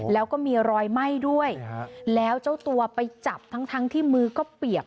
แล้วก็มีรอยไหม้ด้วยแล้วเจ้าตัวไปจับทั้งที่มือก็เปียก